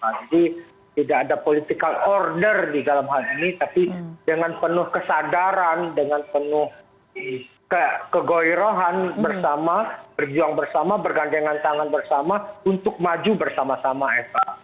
tidak ada political order di dalam hal ini tapi dengan penuh kesadaran dengan penuh kegoirohan bersama berjuang bersama bergandengan tangan bersama untuk maju bersama sama eva